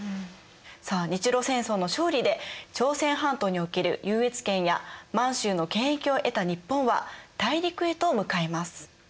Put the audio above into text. さあ日露戦争の勝利で朝鮮半島における優越権や満州の権益を得た日本は大陸へと向かいます。